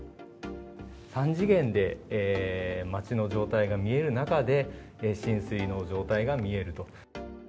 ３次元で街の状態が見える中で、浸水の状態が見えると。